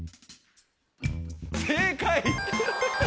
正解！